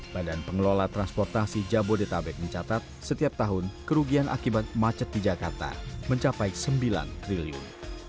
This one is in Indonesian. badan pengelola transportasi jabodetabek mencatat setiap tahun kerugian akibat macet di jakarta mencapai sembilan triliun